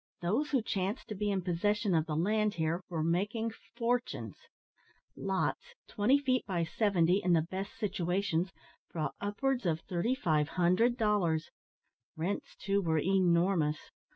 Those who chanced to be in possession of the land here were making fortunes. Lots, twenty feet by seventy, in the best situations, brought upwards of 3500 dollars. Rents, too, were enormous.